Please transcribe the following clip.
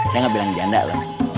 saya gak bilang janda lah